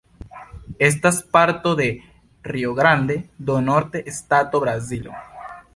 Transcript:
Estas parto de Rio Grande do Norte stato, Brazilo.